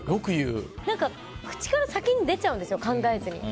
口から先に出ちゃうんです考えずに。